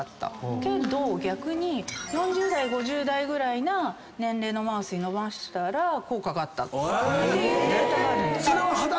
けど逆に４０代５０代ぐらいの年齢のマウスに飲ましたら効果があったっていうデータがある。